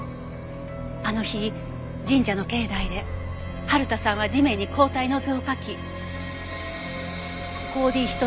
あの日神社の境内で春田さんは地面に抗体の図を描き抗Ｄヒト